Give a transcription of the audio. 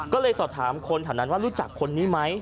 ก็เลยสอบถามคนแถวนั้นว่ารู้จักคนนี้ไหม